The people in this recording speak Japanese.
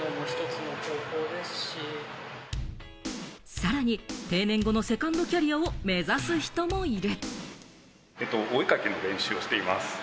さらに定年後のセカンドキャリアを目指す人もいる。